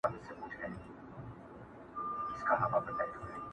دا به شیطان وي چي د شپې بشر په کاڼو ولي،